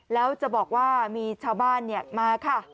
แล้วจะบอกว่ามีชาวบ้านมาค่ะ